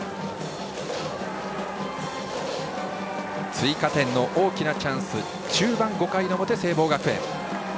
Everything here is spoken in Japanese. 追加点の大きなチャンス中盤５回の表、聖望学園。